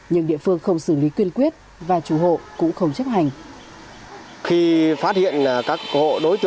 nhưng địa phương không xử lý quyên quyết và chủ hộ cũng không chấp hành